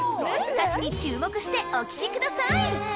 歌詞に注目してお聴きください